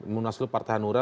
munaslub partai hanura